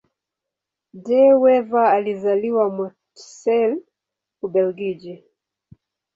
De Wever alizaliwa Mortsel, Ubelgiji.